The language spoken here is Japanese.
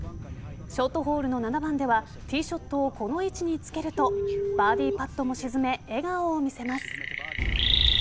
ショートホールの７番ではティーショットをこの位置につけるとバーディーパットも沈め笑顔を見せます。